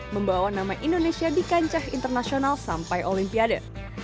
membawa nama indonesia di kancah internasional sampai olimpiade